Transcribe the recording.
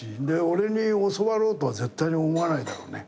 俺に教わろうとは絶対に思わないだろうね。